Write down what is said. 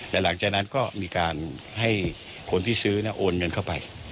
และหลังจากนั้นก็มีการให้คนที่ซื้อโอนเงินเข้าไป